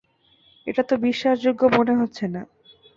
এটা তো বিশ্বাসযোগ্য মনে হচ্ছে না।